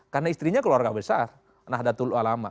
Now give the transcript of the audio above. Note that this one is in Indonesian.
karena istrinya keluarga besar nahdlatul ulama